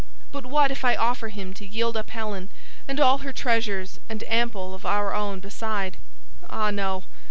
But what if I offer him to yield up Helen and all her treasures and ample of our own beside? Ah, no!